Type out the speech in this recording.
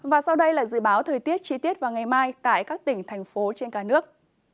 và sau đây là dự báo thời tiết chi tiết vào ngày mai tại các tỉnh thành phố trên cả nước